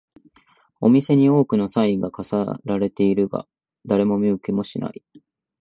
お店に多くのサインが飾られているが、誰も見向きもしない